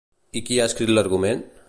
I qui ha escrit l'argument?